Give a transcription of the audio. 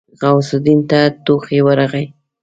غوث الدين ته ټوخی ورغی.